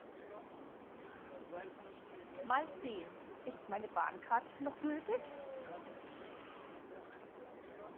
Mal sehen, ist meine Bahncard noch gültig?